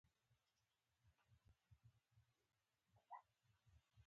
هغه راته د نورو ناروغانو په شان يوه ناروغه ښکاري